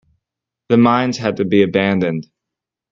The mines had to be abandoned.